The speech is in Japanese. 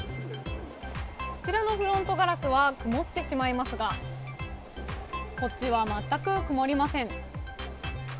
こちらのフロントガラスは曇ってしまいますがこっちは全く曇りません。